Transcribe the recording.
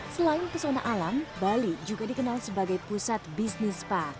selain pesona alam bali juga dikenal sebagai pusat bisnis spa